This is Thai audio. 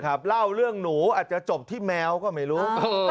เล่าเรื่องหนูอาจจะจบที่แมวก็ไม่รู้